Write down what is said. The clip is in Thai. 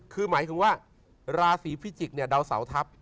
คือหมายคือว่าลาศีพิจิกษ์เดาเสาทับ